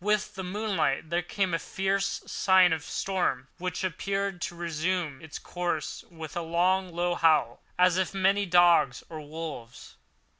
With the moonlight there came a fierce sigh of the storm, which appeared to resume its course with a long, low howl, as of many dogs or wolves.